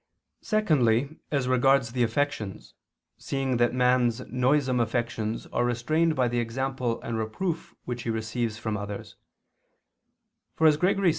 Secondly, as regards the affections, seeing that man's noisome affections are restrained by the example and reproof which he receives from others; for as Gregory says (Moral.